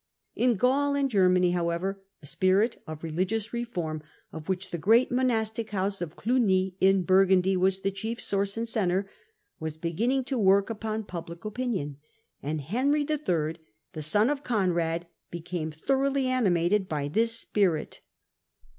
In Gaul and Germany, however, a spirit of religious reform, of which the great monastic house of Clugny in Burgundy was the chief source and centre, was beginning to work upon public opinion, and Henry III., the son of Conrad, became thoroughly animated by this spirit.